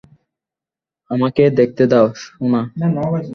আমাকে দেখতে দাও, সোনা!